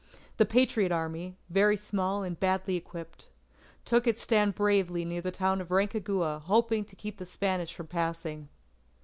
The Patriot Army, very small and badly equipped, took its stand bravely near the town of Rancagua hoping to keep the Spanish from passing.